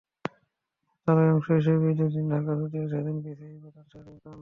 তারই অংশ হিসেবে ঈদের দিন ঢাকা ছুটে এসেছেন পিসিবি প্রধান শাহরিয়ার খান।